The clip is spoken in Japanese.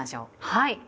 はい。